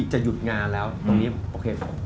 จะหยุดงานแล้วตรงนี้โอเคครับ